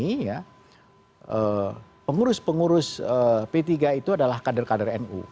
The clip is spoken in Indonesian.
karena pengurus pengurus p tiga itu adalah kader kader nu